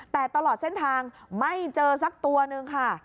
แต่ตลอดเส้นทางไม่เจอสักตัวนึงค่ะ